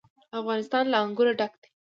افغانستان له انګور ډک دی.